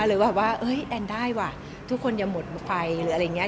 หรือว่าเอ้ยแอนได้ว่ะทุกคนอย่าหมดไฟหรืออะไรอย่างนี้